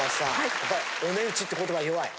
やっぱりお値打ちって言葉に弱い？